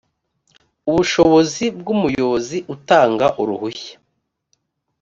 ubushishozi bw umuyobozi utanga uruhushya